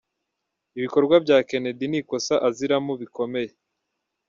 "Ibikorwa bya Kenedy ni ikosa aziramo bikomeye.